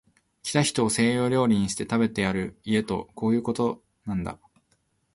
来た人を西洋料理にして、食べてやる家とこういうことなんだ